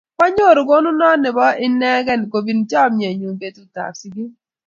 Kwaanyoru konunot ne po inekey kopin chamanennyu petut ap siget